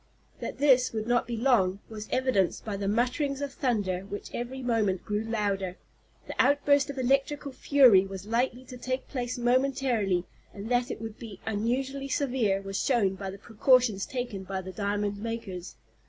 That this would not be long was evidenced by the mutterings of thunder which every moment grew louder. The outburst of electrical fury was likely to take place momentarily, and that it would be unusually severe was shown by the precautions taken by the diamond makers.